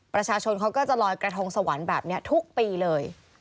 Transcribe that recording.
ประชาชนเขาก็จะลอยกระทงสวรรค์แบบนี้ทุกปีเลย